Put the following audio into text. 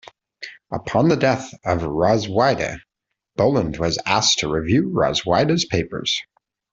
Upon the death of Rosweyde, Bolland was asked to review Rosweyde's papers.